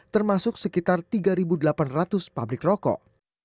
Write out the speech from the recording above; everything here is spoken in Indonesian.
termasuk sekitar tiga delapan ratus pabrik rokok